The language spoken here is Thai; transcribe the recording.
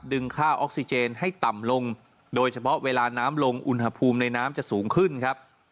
ค่าออกซิเจนให้ต่ำลงโดยเฉพาะเวลาน้ำลงอุณหภูมิในน้ำจะสูงขึ้นครับ